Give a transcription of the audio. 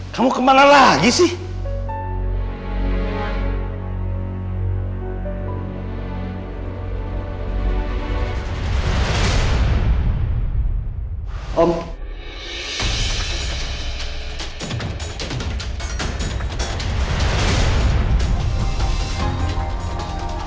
kamu kemana lagi sih